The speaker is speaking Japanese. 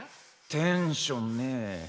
テンションねえ。